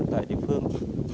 tại địa phương